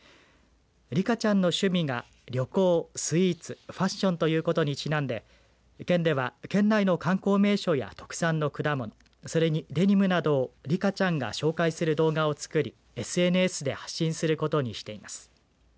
リカちゃんの趣味が旅行、スイーツファッションということにちなんで県では県内の観光名所や特産の果物それにデニムなどをリカちゃんが紹介する動画をつくりＳＮＳで発信することにしています。